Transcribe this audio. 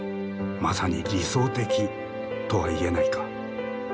まさに理想的とは言えないか。